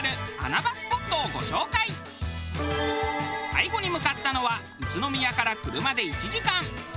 最後に向かったのは宇都宮から車で１時間。